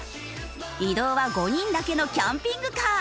移動は５人だけのキャンピングカー。